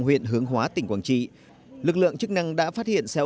huyện hướng hóa tỉnh quảng trị lực lượng chức năng đã phát hiện xe ô